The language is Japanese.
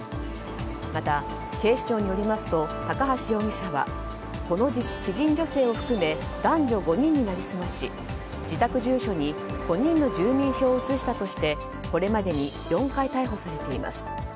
また、警視庁によりますと高橋容疑者はこの知人女性を含め男女５人に成り済まし自宅住所に５人の住民票を移したとしてこれまでに４回逮捕されています。